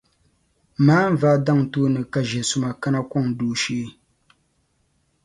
Maanvaa daŋ tooni ka ʒiɛ’ suma kana kɔŋ dooshee.